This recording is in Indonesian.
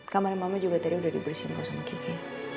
kamar mama juga tadi udah dibersihkan sama kike